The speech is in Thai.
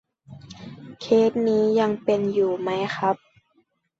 เคสนี้ยังเป็นอยู่ไหมครับ ?